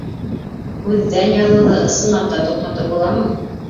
Күҙҙән яҙыуҙы ысынлап та туҡтатып буламы?